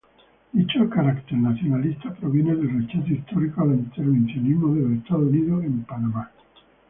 Dicho carácter nacionalista proviene del rechazo histórico al intervencionismo de Estados Unidos en Panamá.